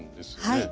はい。